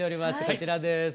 こちらです。